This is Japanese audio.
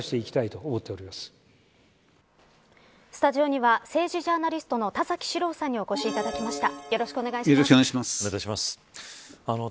スタジオには政治ジャーナリストの田崎史郎さんにお越しいただきました。